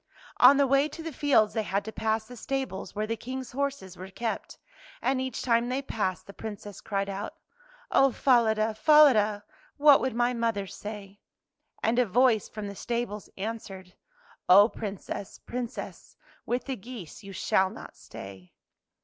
On the way to the fields they had to pass [ 128 ] THE GOOSE GIRL the stables where the King's horses were kept, and each time they passed, the Princess cried out: " Oh, Falada, Falada, what would my mother say? " And a voice from the stables answered, " Oh, Princess, Princess, with the geese you shall not stay."